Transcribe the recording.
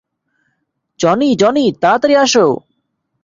Johnny, Johnny, তাড়াতাড়ি আসো।